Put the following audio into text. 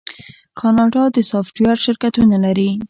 کاناډا د سافټویر شرکتونه لري.